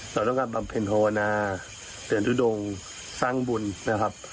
เราต้องการบำเพ็ญภาวนาเตือนทุดงสร้างบุญนะครับ